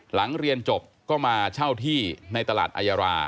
หลังเรียนจบก็มาเช่าที่ในตลาดอายารา